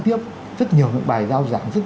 tiếp rất nhiều những bài giao giảng rất